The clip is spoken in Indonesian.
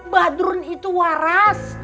badrun itu waras